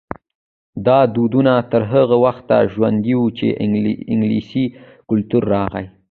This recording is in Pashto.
دا دودونه تر هغه وخته ژوندي وو چې انګلیسي کلتور راغی.